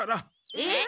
えっ？